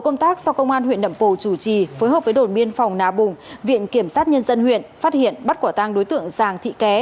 nậm pồ chủ trì phối hợp với đồn biên phòng nà bùng viện kiểm sát nhân dân huyện phát hiện bắt quả tăng đối tượng giàng thị ké